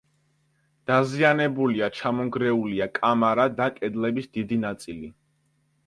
დაზიანებულია: ჩამონგრეულია კამარა და კედლების დიდი ნაწილი.